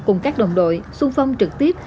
cùng các đồng đội xuân phong trực tiếp